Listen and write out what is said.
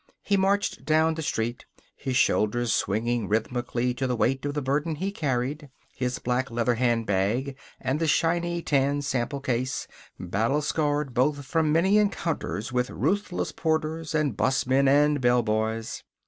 He marched down the street, his shoulders swinging rhythmically to the weight of the burden he carried his black leather handbag and the shiny tan sample case, battle scarred, both, from many encounters with ruthless porters and busmen and bellboys.